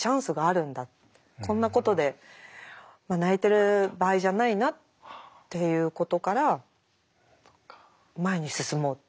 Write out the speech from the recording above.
こんなことで泣いてる場合じゃないなっていうことから前に進もうって。